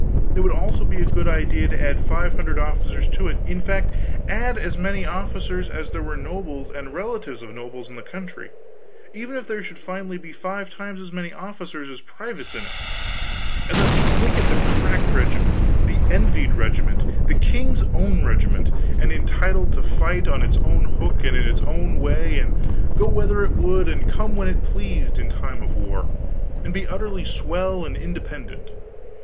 It would also be a good idea to add five hundred officers to it; in fact, add as many officers as there were nobles and relatives of nobles in the country, even if there should finally be five times as many officers as privates in it; and thus make it the crack regiment, the envied regiment, the King's Own regiment, and entitled to fight on its own hook and in its own way, and go whither it would and come when it pleased, in time of war, and be utterly swell and independent.